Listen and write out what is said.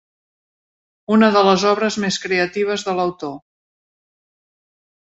Una de les obres més creatives de l'autor.